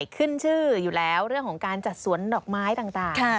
ขึ้นชื่ออยู่แล้วเรื่องของการจัดสวนดอกไม้ต่าง